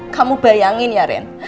kamu bayangin ya ren